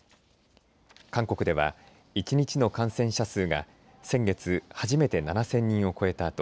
韓国では一日の感染者数が先月、初めて７０００人を超えた